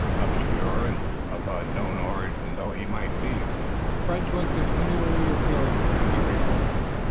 Obscure and of unknown origin though he might be, friends were continually appearing for him everywhere.